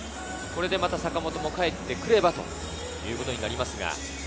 坂本も帰ってくればということになります。